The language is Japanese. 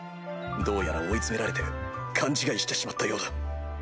どうやら追い詰められて勘違いしてしまったようだ。